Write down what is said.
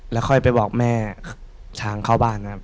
แล้วค่อยไปบอกแม่ทางเข้าบ้านครับ